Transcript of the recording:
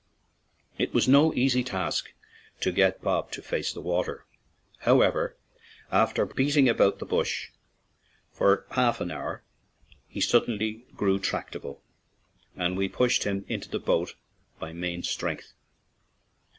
It was no easy task to get Bob to face the water; however, after beat ing about the bush for half an hour, he suddenly grew tractable, and we pushed him into the boat by main strength.